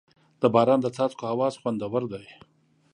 د باران د څاڅکو اواز خوندور دی.